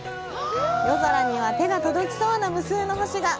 夜空には手が届きそうな無数の星が！